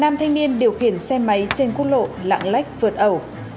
năm thanh niên điều khiển xe máy trên quốc lộ lạng lách vượt ẩu